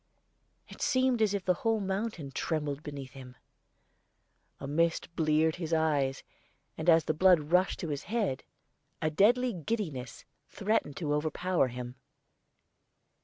It seemed as if the whole mountain trembled beneath him; a mist bleared his eyes; and as the blood rushed to his head, a deadly giddiness threatened to overpower him.